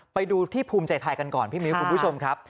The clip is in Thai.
ไปดูที่ภูมิใจไทยกันก่อนพี่มิ้วคุณผู้ชมครับ